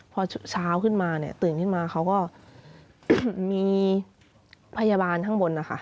พอเช้าขึ้นมาเนี่ยตื่นขึ้นมาเขาก็มีพยาบาลข้างบนนะคะ